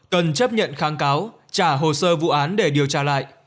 cần chấp nhận kháng cáo trả hồ sơ vụ án để điều tra lại